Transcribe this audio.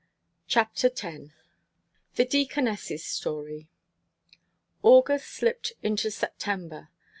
'" CHAPTER X. THE DEACONESS'S STORY. AUGUST slipped into September.